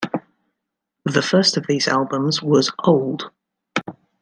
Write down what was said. The first of these albums was "Old".